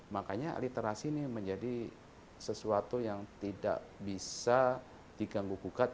makanya literasi ini menjadi sesuatu yang tidak bisa diganggu gugat